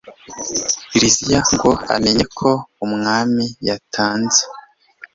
liziya ngo amenye ko umwami yatanze